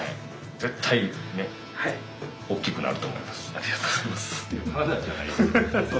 ありがとうございます。